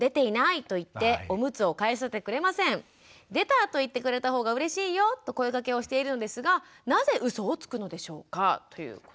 「『出た』と言ってくれた方がうれしいよと声かけをしているのですがなぜうそをつくのでしょうか？」ということでございます。